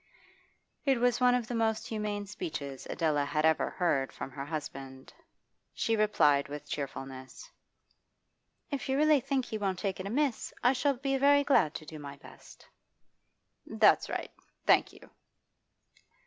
It was one of the most humane speeches Adela had ever heard from her husband. She replied with cheerfulness: 'If you really think he won't take it amiss, I shall be very glad to do my best.' 'That's right; thank you.